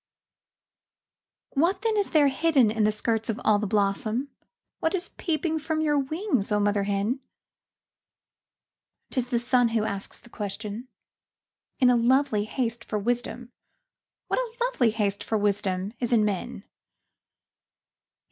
What then is there hidden in the skirts of all the blossom, What is peeping from your wings, oh mother hen? 'T is the sun who asks the question, in a lovely haste for wisdom What a lovely haste for wisdom is in men?